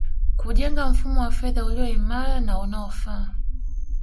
Kujenga mfumo wa fedha ulio imara na unaofaa